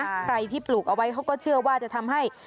ใครที่ปลูกเอาไว้เขาก็เชื่อว่าจะทำให้